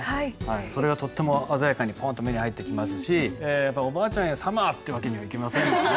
それがとっても鮮やかにポンと目に入ってきますしおばあちゃんへ「ＳＵＭＭＥＲ」って訳にはいきませんもんね。